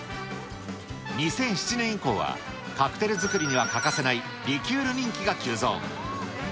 ２００７年以降は、カクテル作りには欠かせないリキュール人気が急増。